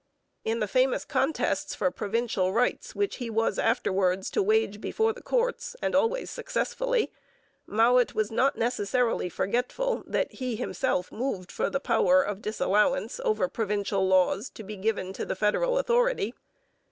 In the famous contests for provincial rights which he was afterwards to wage before the courts, and always successfully, Mowat was not necessarily forgetful that he himself moved for the power of disallowance over provincial laws to be given to the federal authority.